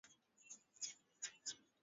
Kalanga inaaza kujioteya mumashamba